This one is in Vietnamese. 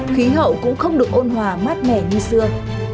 khí hậu cũng không được ôn hòa mát mẻ như xưa